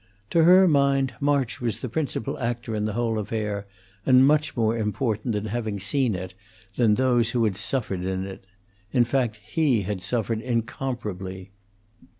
To her mind, March was the principal actor in the whole affair, and much more important in having seen it than those who had suffered in it. In fact, he had suffered incomparably.